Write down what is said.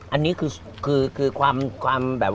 อันนี้คือความแบบ